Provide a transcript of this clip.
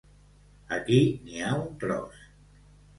Aquí n'hi ha un tros!